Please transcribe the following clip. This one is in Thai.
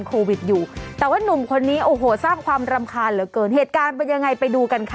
โควิดอยู่แต่ว่านุ่มคนนี้โอ้โหสร้างความรำคาญเหลือเกินเหตุการณ์เป็นยังไงไปดูกันค่ะ